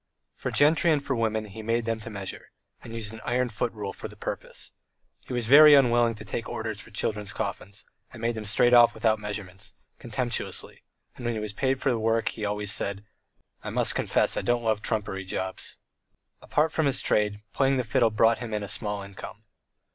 For gentry and for women he made them to measure, and used an iron foot rule for the purpose. He was very unwilling to take orders for children's coffins, and made them straight off without measurements, contemptuously, and when he was paid for the work he always said: "I must confess I don't like trumpery jobs." Apart from his trade, playing the fiddle brought him in a small income.